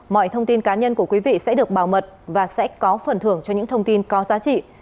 mọi thông tin cá nhân của quý vị sẽ được bảo mật và sẽ có phần thưởng cho những thông tin có giá trị